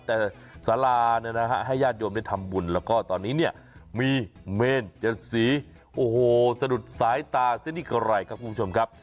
แต่สาราเนี่ยนะฮะให้ญาติโยมได้ทำบุญแล้วก็ตอนนี้เนี่ยมีเมนเจ็ดสีโอ้โหสะดุดสายตาซินิกะไรครับคุณผู้ชมครับ